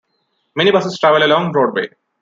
Many buses travel along Broadway.